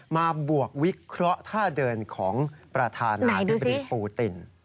บวกวิเคราะห์ท่าเดินของประธานาธิบดีปูติน